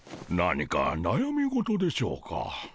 何かなやみ事でしょうか？